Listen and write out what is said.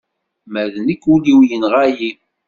Ma d nekk ul-iw yenɣa-yi.